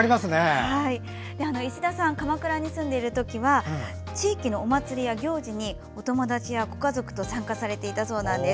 石田さんは鎌倉に住んでいる時は地域のお祭りとか行事にお友達や、ご家族と参加されていたそうなんです。